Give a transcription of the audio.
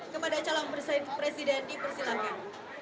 kepada calon presiden dipersilakan